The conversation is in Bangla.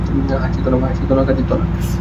হাসিত না, কাঁদিত না।